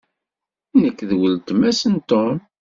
Nekk d weltma-s n Tom.